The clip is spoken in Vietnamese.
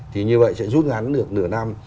thì như vậy sẽ rút ngắn được nửa năm